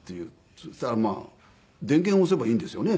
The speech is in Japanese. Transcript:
そしたらまあ電源を押せばいいんですよね。